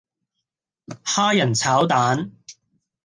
蝦仁炒蛋